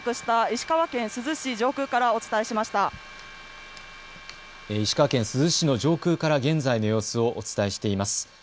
石川県珠洲市の上空から現在の様子をお伝えしています。